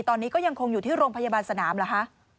ตอนนี้ก็ยังคงอยู่ที่โรงพยาบาลสนามเหรอคะ